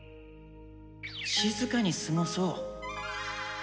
静かに過ごそう！